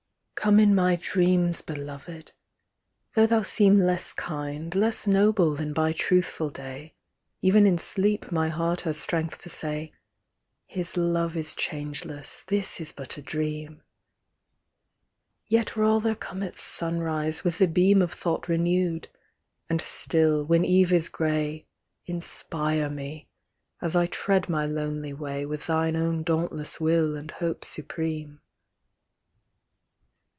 Come in my dreams, beloved ! though thou seem Less kind, less noble, than by truthful day ; Even in sleep my heart has strength to say â " His love is changeless â this is but a dream :" Yet rather come at sunrise, with the beam Of thought renewed ; and still, when eve is grey. Inspire me, at I tread my lonely way, With thine own dauntless will and hope supreme.